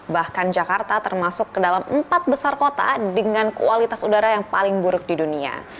bahkan jakarta termasuk ke dalam empat besar kota dengan kualitas udara yang paling buruk di dunia